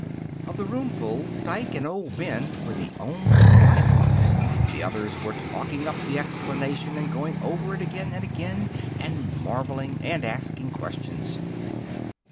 Of the roomful, Dike and old Ben were the only quiet ones. The others were taking up the explanation and going over it again and again, and marveling, and asking questions.